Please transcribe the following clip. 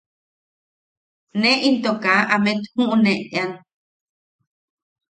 Ne into kaa amet juʼunean.